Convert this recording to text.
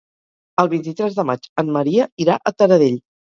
El vint-i-tres de maig en Maria irà a Taradell.